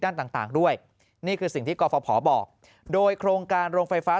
ด้านต่างด้วยนี่คือสิ่งที่กรฟภบอกโดยโครงการโรงไฟฟ้า